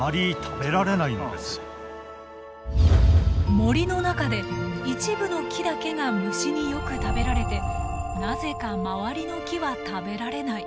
森の中で一部の木だけが虫によく食べられてなぜか周りの木は食べられない。